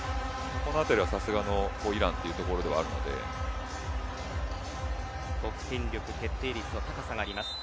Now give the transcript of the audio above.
このあたりは、さすがのイランというところではあるので得点力決定率の高さがあります。